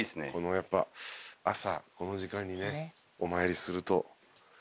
やっぱ朝この時間にねお参りすると。